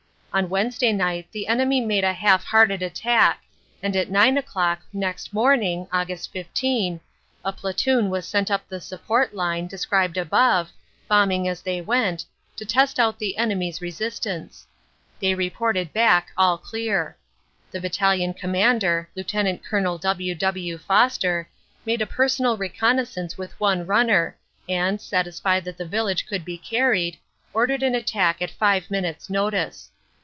On Wednesday night the enemy made a half hearted attack, and at nine o clock next morning, Aug. 15, a platoon was sent up the support line, described above, bombing as they went, to test out the enemy s resistance. They reported back all clear. The Battalion Com mander, Lt. Col. W. W. Foster, made a personal reconnaisancc with one runner, and, satisfied that the village could be carried, ordered an attack at five minutes notice.